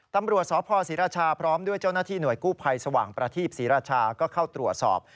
ตำรวจสพศรีราชาพร้อมด้วยเจ้าหน้าที่หน่วยกู้ภัยสว่างประทีปศรีราชาก็เข้าตรวจสอบ